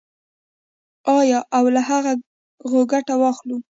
آیا او له هغو ګټه واخلو؟